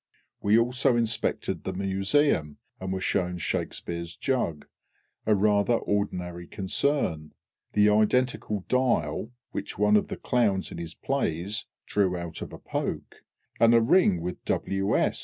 We also inspected the Museum, and were shown SHAKSPEARE'S jug, a rather ordinary concern; the identical dial which one of the clowns in his plays drew out of a poke, and a ring with W. S.